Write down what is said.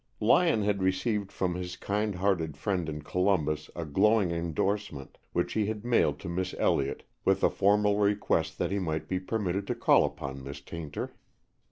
Lyon had received from his kind hearted friend in Columbus a glowing endorsement, which he had mailed to Miss Elliott, with a formal request that he might be permitted to call upon Miss Tayntor.